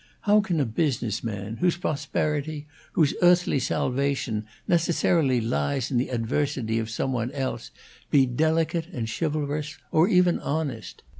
How can a business man, whose prosperity, whose earthly salvation, necessarily lies in the adversity of some one else, be delicate and chivalrous, or even honest?